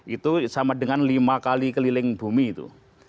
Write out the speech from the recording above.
itu sama dengan lima kali keliling bumi itu